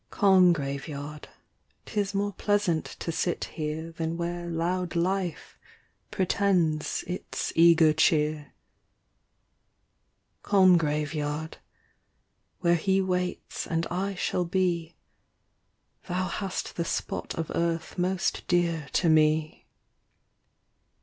Calm graveyard, 'tis more pleasant to sit here Than where loud life pretends its eager cheer : Calm graveyard, where he waits and I shall be. Thou hast the spot of earth most dear to me.